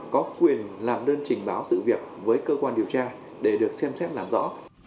có quyền làm đơn trình báo sự việc với cơ quan điều tra để được xem xét làm rõ